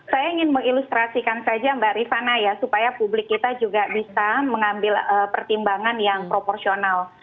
saya ingin mengilustrasikan saja mbak rifana ya supaya publik kita juga bisa mengambil pertimbangan yang proporsional